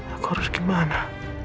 aku harus gimana